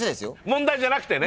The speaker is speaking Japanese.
問題じゃなくてね。